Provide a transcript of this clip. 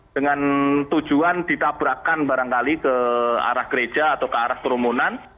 dengan tujuan ditabrakan barangkali ke arah gereja atau ke arah kerumunan